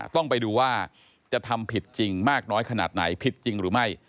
ต้องไปดูว่าจะทำผิดจริงมากน้อยขนาดไหนผิดจริงหรือไม่